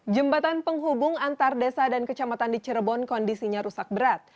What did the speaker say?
jembatan penghubung antar desa dan kecamatan di cirebon kondisinya rusak berat